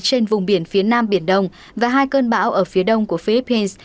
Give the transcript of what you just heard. trên vùng biển phía nam biển đông và hai cơn bão ở phía đông của philippines